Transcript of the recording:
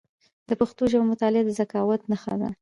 د پښتو ژبي مطالعه د ذکاوت نښه ده.